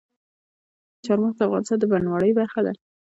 چار مغز د افغانستان د بڼوالۍ برخه ده.